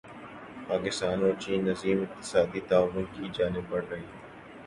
پاکستان اور چین عظیم اقتصادی تعاون کی جانب بڑھ رہے ہیں